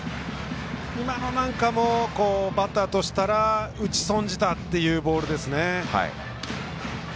今のなんかもバッターとしたら打ち損じたというボールですね。